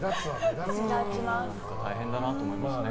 だから大変だなと思いますね。